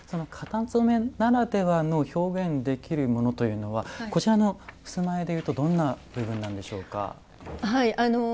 型染めならではの表現できるものというのはこちらの襖絵でいうとどんな部分なんでしょうか？